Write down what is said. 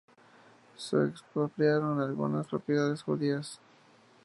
Se expropiaron algunas propiedades judías.